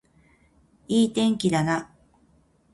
いい天気だな